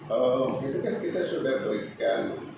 oh itu kan kita sudah berikan